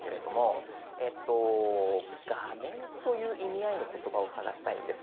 「画面」という意味合いの言葉を探したいんです。